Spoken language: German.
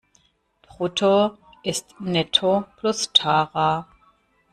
Brutto ist Netto plus Tara.